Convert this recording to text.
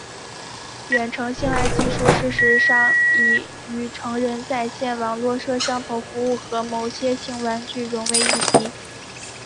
远程性爱技术事实上已与成人在线网络摄像头服务和某些性玩具融为一体。